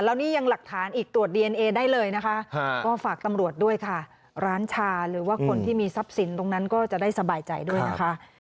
แล้วนี่ยังหลักฐานอีกตรวจดีเอนเอได้เลยนะคะก็ฝากตำรวจด้วยค่ะร้านชาหรือว่าคนที่มีทรัพย์สินตรงนั้นก็จะได้สบายใจด้วยนะคะ